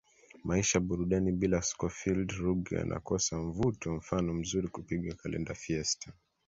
maisha burudani bila Scofield Ruge yanakosa Mvuto mfano mzuri kupigwa kalenda fiesta